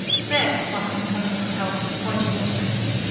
—There, Martin Cunningham helped, pointing also.